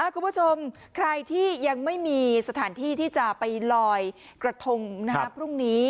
คุณผู้ชมใครที่ยังไม่มีสถานที่ที่จะไปลอยกระทงพรุ่งนี้